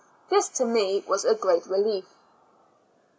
This to me was a great relief.